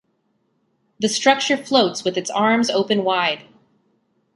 The structure floats with its arms open wide.